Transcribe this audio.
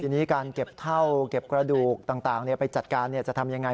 ทีนี้การเก็บเท่าเก็บกระดูกต่างไปจัดการจะทำยังไง